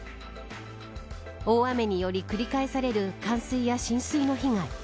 大雨により繰り返される冠水や浸水の被害。